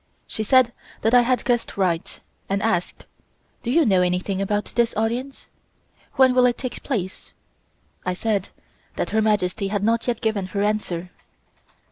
She said that I had guessed right, and asked: "Do you know anything about this audience? When will it take place?" I said that Her Majesty had not yet given her answer.